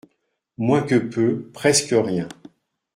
Moins que peu, presque rien.